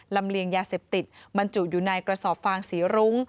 เลียงยาเสพติดบรรจุอยู่ในกระสอบฟางสีรุ้ง